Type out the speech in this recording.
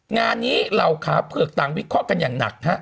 งานนี้เหล่าขาเผือกต่างวิเคราะห์กันอย่างหนักฮะ